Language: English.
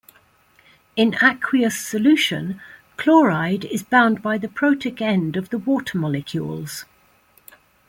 In aqueous solution, chloride is bound by the protic end of the water molecules.